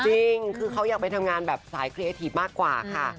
จริงคือเขายังไปทำงานสายครีเอทีฟมากกว่าค่ะ